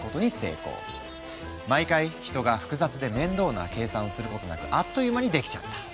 毎回人が複雑で面倒な計算をすることなくあっという間にできちゃった。